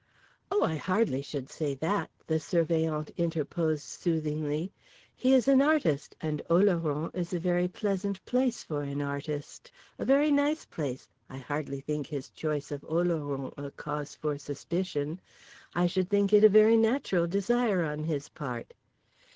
"Oh, I hardly should say that!" the Surveillant interposed soothingly; "he is an artist, and Oloron is a very pleasant place for an artist. A very nice place, I hardly think his choice of Oloron a cause for suspicion. I should think it a very natural desire on his part."